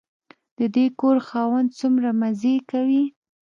د دې کور خاوند څومره مزې کوي.